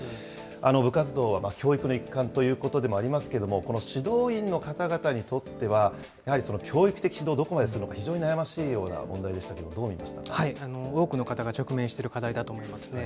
部活動は教育の一環ということでもありますけれども、この指導員の方々にとっては、やはり教育的指導、どこまでするのか非常に悩ましいような問題でしたけれ多くの方が直面している課題だと思いますね。